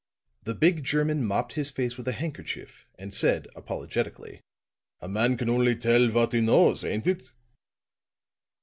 The big German mopped his face with a handkerchief, and said apologetically: "A man can only tell what he knows, ain't it?"